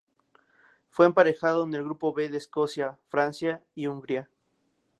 Fue emparejado en el Grupo B con Escocia, Francia y Hungría.